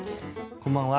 こんばんは。